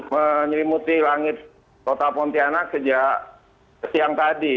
menyelimuti langit kota pontianak sejak siang tadi